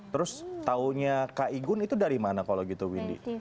terus taunya kak igun itu dari mana kalau gitu windy